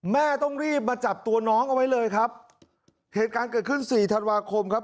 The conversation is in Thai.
แม่ต้องรีบมาจับตัวน้องเอาไว้เลยครับเหตุการณ์เกิดขึ้นสี่ธันวาคมครับ